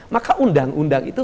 maka undang undang itu